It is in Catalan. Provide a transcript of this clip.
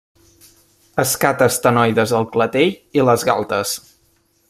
Escates ctenoides al clatell i les galtes.